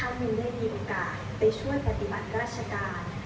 มินได้มีโอกาสไปช่วยปฏิบัติราชการ